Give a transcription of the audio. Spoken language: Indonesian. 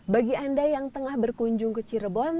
bagi anda yang tengah berkunjung ke cirebon